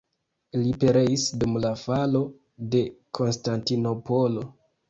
Li pereis dum la falo de Konstantinopolo.